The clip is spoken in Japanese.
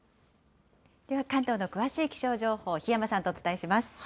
では関東の詳しい気象情報、檜山さんとお伝えします。